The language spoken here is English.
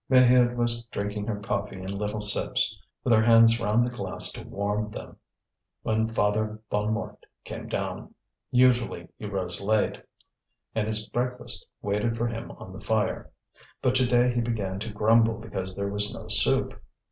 Maheude was drinking her coffee in little sips, with her hands round the glass to warm them, when Father Bonnemort came down. Usually he rose late, and his breakfast waited for him on the fire. But to day he began to grumble because there was no soup.